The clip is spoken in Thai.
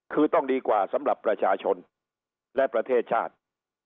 คือต้องดีกว่าสำหรับประชาชนและประเทศชาติ